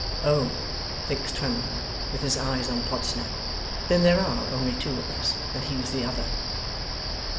['Oh!' thinks Twemlow, with his eyes on Podsnap, 'then there are only two of us, and he's the other.